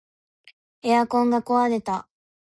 エアコンが壊れた